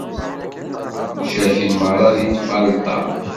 Cerken merra deg lfalṭa.